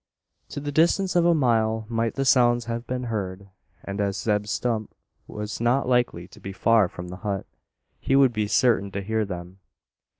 To the distance of a mile might the sounds have been heard; and as Zeb Stump was not likely to be so far from the hut, he would be certain to hear them.